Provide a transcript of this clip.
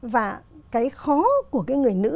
và cái khó của cái người nữ